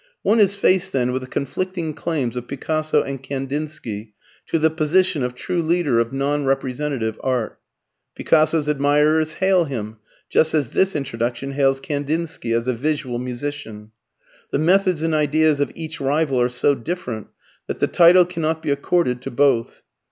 One is faced then with the conflicting claims of Picasso and Kandinsky to the position of true leader of non representative art. Picasso's admirers hail him, just as this Introduction hails Kandinsky, as a visual musician. The methods and ideas of each rival are so different that the title cannot be accorded to both.